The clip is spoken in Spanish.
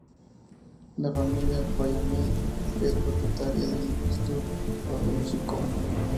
La familia Villamil es propietaria del stud Rodeo Chico.